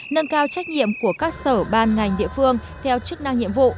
nâng cao trách nhiệm của các sở ban ngành địa phương theo chức năng nhiệm vụ